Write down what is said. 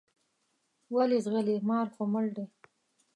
ولې ځغلې مار خو مړ دی.